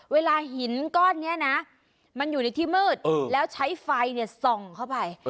เวลาหินก้อนนี้นะมันอยู่ในที่มืดแล้วใช้ไฟส่องเข้าไป